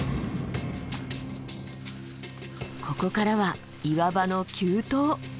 ここからは岩場の急登。